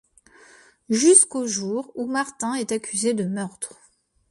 Jusqu'au jour où Martin est accusé de meurtre...